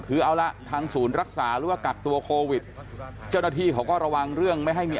คือเอาละทางศูนย์รักษาหรือว่ากักตัวโควิดเจ้าหน้าที่เขาก็ระวังเรื่องไม่ให้มี